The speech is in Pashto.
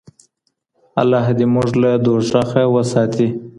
الله دې موږ له دوزخ وساتي.